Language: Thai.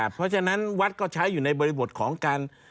เพราะฉะนั้นวัดก็ใช้อยู่ในบริบทของการ